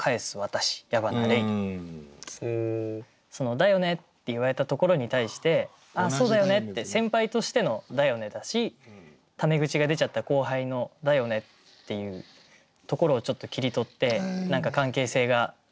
「だよね」って言われたところに対して「そうだよね」って先輩としての「だよね」だしタメ口が出ちゃった後輩の「だよね」っていうところをちょっと切り取って何か関係性が出せたらいいなと思って。